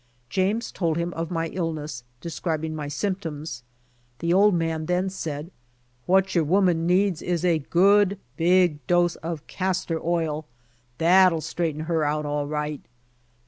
James told him of my illness, describing my symptoms The old man then said, ^'What your woman needs is a good, big dose of castor ile. Tliat'll straighten her out all right."